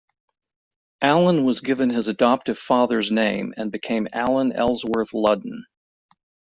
Allen was given his adoptive father's name and became Allen Ellsworth Ludden.